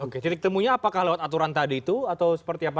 oke titik temunya apakah lewat aturan tadi itu atau seperti apa